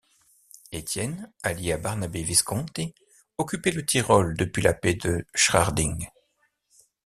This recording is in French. Étienne, allié à Barnabé Visconti, occupait le Tyrol depuis la paix de Schärding.